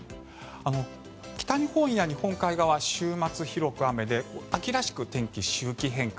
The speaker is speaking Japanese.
北日本や日本海側週末、広く雨で秋らしく天気、周期変化。